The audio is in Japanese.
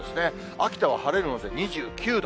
秋田は晴れるので２９度。